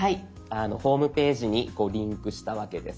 ホームページにリンクしたわけです。